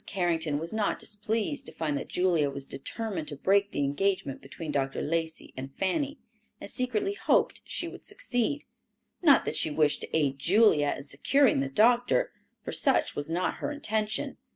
Carrington was not displeased to find that Julia was determined to break the engagement between Dr. Lacey and Fanny, and secretly hoped she would succeed. Not that she wished to aid Julia in securing the doctor, for such was not her intention.